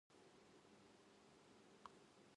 私は英語を話せません。